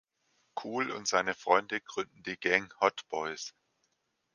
Kool und seine Freunde gründen die Gang "Hot Boyz".